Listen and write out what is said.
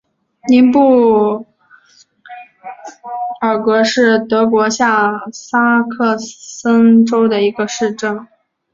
宁布尔格是德国下萨克森州的一个市镇。